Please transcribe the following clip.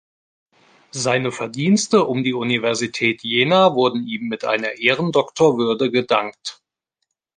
Seine Verdienste um die Universität Jena wurden ihm mit einer Ehrendoktorwürde gedankt.